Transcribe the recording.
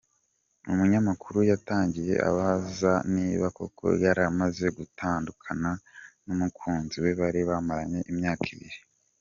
Umunyamakuru yatangiye amubaza niba koko yaramaze gutandukana n’umukunzi we bari bamaranye imyaka ibiri.